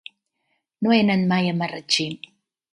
No he anat mai a Marratxí.